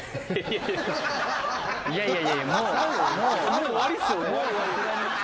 もう終わりっすよね。